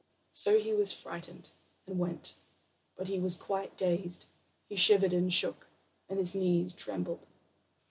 So he was frightened, and went; but he was quite dazed. He shivered and shook, and his knees trembled.